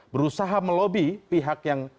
berusaha melobi pihak yang